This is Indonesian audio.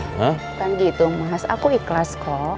kan gitu mas aku ikhlas kok